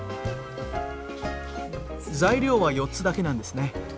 材料は４つだけなんですね。